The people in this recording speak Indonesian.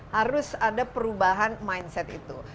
harus ada perubahan mindset itu